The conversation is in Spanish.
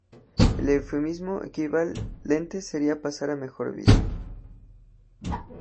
El eufemismo equivalente sería ""pasar a mejor vida"".